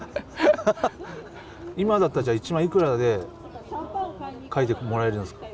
今だったら１枚いくらで描いてもらえるんですか？